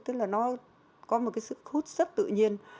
tức là nó có một cái sức hút rất tự nhiên